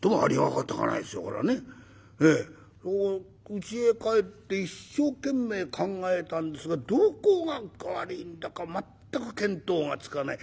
うちへ帰って一生懸命考えたんですがどこが悪いんだか全く見当がつかない。